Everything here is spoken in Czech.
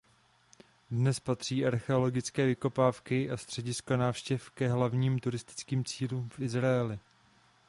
Dnes patří archeologické vykopávky a středisko návštěv ke hlavním turistickým cílům v Izraeli.